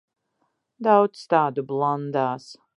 Daudz tādu blandās.